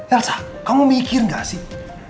elsa kamu mikir gak sih